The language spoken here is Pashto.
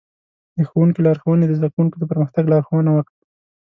د ښوونکي لارښوونې د زده کوونکو د پرمختګ لارښوونه وکړه.